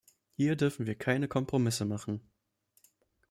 Hier dürfen wir keine Kompromisse machen.